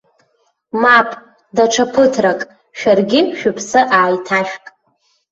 Мап, даҽа ԥыҭрак, шәаргьы шәыԥсы ааиҭашәк.